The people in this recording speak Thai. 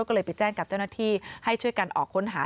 ก็เลยไปแจ้งกับเจ้าหน้าที่ให้ช่วยกันออกค้นหา